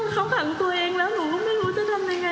เขาขังตัวเองแล้วหนูก็ไม่รู้จะทำยังไง